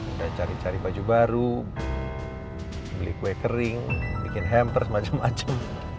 udah cari cari baju baru beli kue kering bikin hampers macam macam